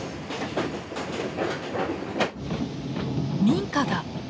民家だ。